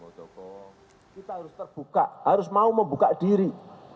kita harus terbuka harus mau membuka diri